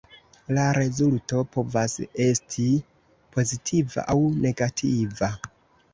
La rezulto povas esti pozitiva aŭ negativa.